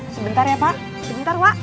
sebentar ya pak sebentar pak